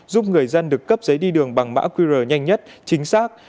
giúp người dân được cấp giấy đi đường bằng mã qr nhanh nhất chính xác